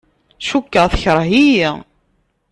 Cukkeɣ tekreh-iyi.